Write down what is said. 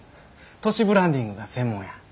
都市ブランディングが専門や。